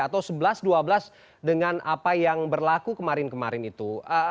atau sebelas dua belas dengan apa yang berlaku kemarin kemarin itu